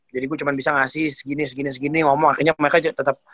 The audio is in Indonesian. jadi gue cuma bisa ngasih segini segini segini ngomong akhirnya mereka tetep